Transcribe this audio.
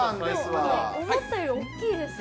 思ったより大きいです。